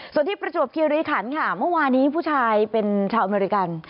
ส่วนที่ประจวบคิริขันค่ะเมื่อวานี้ผู้ชายเป็นชาวอเมริกัน